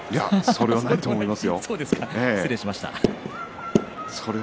それはないと思います。